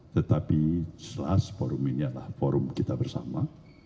tetapi jelas forum ini adalah forum kita bersama